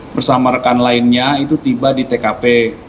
bersama rekan lainnya itu tiba di tkp